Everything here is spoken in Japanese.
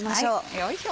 よいしょ。